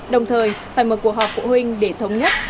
đồng thời phải mở cuộc họp phụ huynh để thống nhất